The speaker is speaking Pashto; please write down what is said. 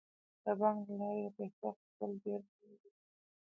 د بانک له لارې د پیسو اخیستل ډیر باوري دي.